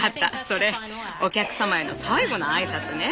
それお客様への最後の挨拶ね。